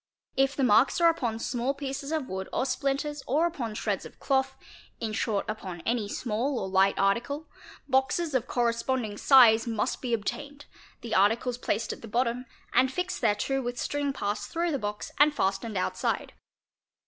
If the marks are upon small pieces of wood or splinters or upon _ shreds of cloth, in short upon any small or ight article, boxes of corres ponding size must be obtained, the articles placed at the bottom, and fixed thereto with string passed through the box and fastened outside.